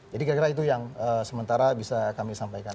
jadi kira kira itu yang sementara bisa kami sampaikan